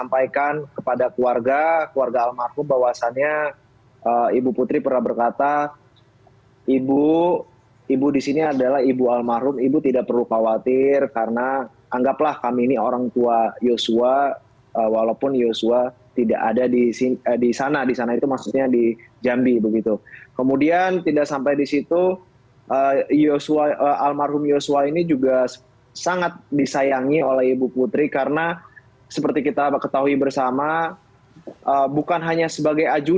merupakan lac trials dibuat annat di sekitar kreasieng